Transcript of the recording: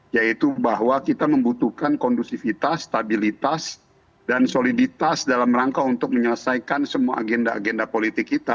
yaitu bahwa kita membutuhkan kondusivitas stabilitas dan soliditas dalam rangka untuk menyelesaikan semua agenda agenda politik kita